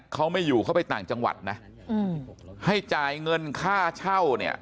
เขาไม่อยู่เขาไปต่างจังหวัดนะให้จ่ายเงินค่าเช่าเนี่ย